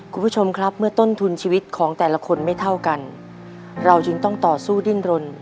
คุณผู้ชมครับเมื่อต้นทุนชีวิตของแต่ละคนไม่เท่ากันเราจึงต้องต่อสู้ดิ้นรน